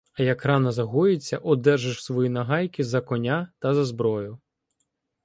А як рана загоїться, одержиш свої нагайки за коня та за зброю.